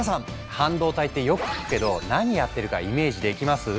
「半導体」ってよく聞くけど何やってるかイメージできます？